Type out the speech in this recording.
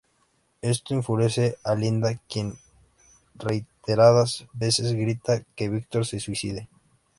Esto enfurece a Linda, quien reiteradas veces grita que Victor se suicide.